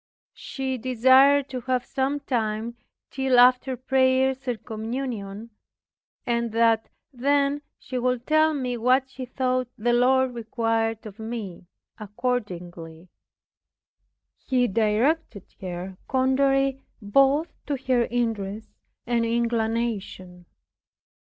She desired to have some time till after prayers and communion, and that then she would tell me what she thought the Lord required of me. Accordingly, He directed her contrary both to her interests and inclination.